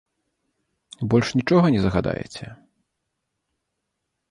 Больш нічога не загадаеце?